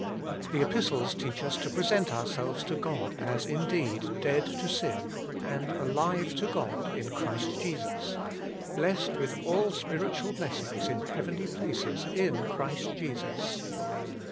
The Epistles teach us to present ourselves to God * as indeed dead to sin, and alive to God in Christ JesitSy ' blessed with all spiritual blessings in heavenly places in Christ Jesus.'